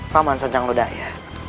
paman senjang lodaya